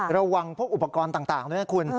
ระวังพวกอุปกรณ์ต่างด้วยนะคุณ